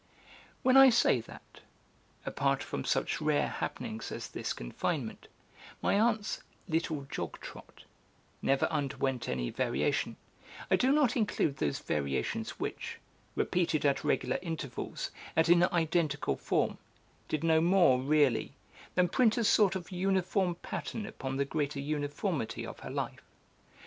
When I say that, apart from such rare happenings as this confinement, my aunt's 'little jog trot' never underwent any variation, I do not include those variations which, repeated at regular intervals and in identical form, did no more, really, than print a sort of uniform pattern upon the greater uniformity of her life.